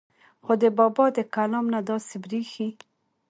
خو د بابا د کلام نه داسې بريښي